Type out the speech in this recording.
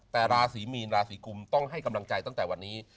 แต่ราศีมีนราศีกุมต้องให้กำลังใจตั้งแต่วันนี้